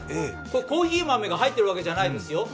コーヒー豆が入っているわけじゃないんですよ。